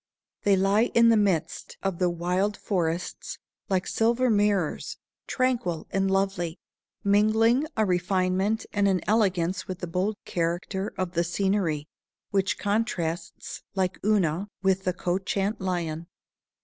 They lie in the midst of the wild forests, like silver mirrors, tranquil and lovely, mingling a refinement and an elegance with the bold character of the scenery, which contrasts, like Una, with the couchant Lion.